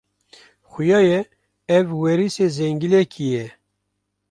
Xuya ye, ev werîsê zengilekî ye.